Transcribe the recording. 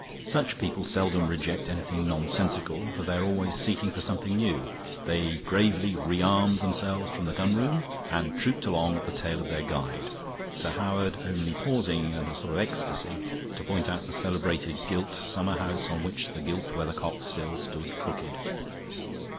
Such people seldom reject anything nonsensical, for they are always seeking for something new. They gravely rearmed themselves from the gun room and trooped along at the tail of their guide, Sir Howard only pausing, in a sort of ecstasy, to point out the celebrated gilt summerhouse on which the gilt weathercock still stood crooked.